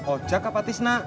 ojak apa tisna